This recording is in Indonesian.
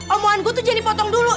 omohan gue tuh jadi potong dulu